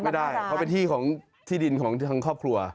ไม่ได้เพราะเป็นที่ของที่ดินของทางครอบครัว